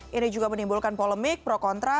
ini juga menimbulkan polemik pro kontra